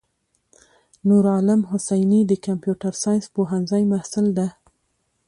نورعالم حسیني دکمپیوټر ساینس پوهنځی محصل ده.